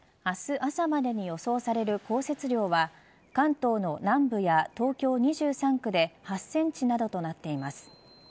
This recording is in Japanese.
明日朝までに予想される降雪量は関東の南部や東京２３区で８センチなどとなっています。